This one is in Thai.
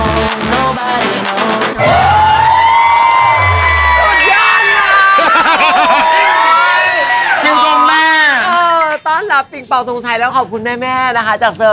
โคตรเอาตัวแม่ของแม่ของแม่ของแม่ของแม่ตัวยายมารับกูเลย